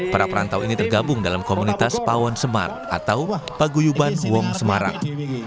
para perantau ini tergabung dalam komunitas pawon semar atau paguyuban wong semarang